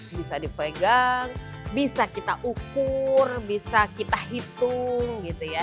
bisa dipegang bisa kita ukur bisa kita hitung gitu ya